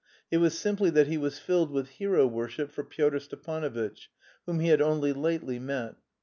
It was simply that he was filled with hero worship for Pyotr Stepanovitch, whom he had only lately met.